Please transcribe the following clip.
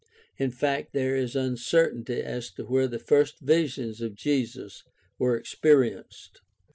In fact, there is uncertainty as to where the first visions of Jesus were experienced.